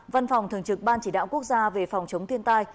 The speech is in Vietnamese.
văn phòng thường trực ban chỉ đạo quốc gia về phòng chống thiên tai